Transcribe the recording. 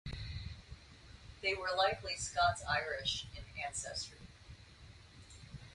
They were likely Scots-Irish in ancestry.